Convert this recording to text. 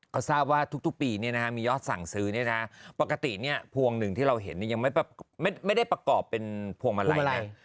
เขาทราบว่าทุกปีมียอดสั่งซื้อปกติพวงหนึ่งที่เราเห็นยังไม่ได้ประกอบเป็นพวงมาลัย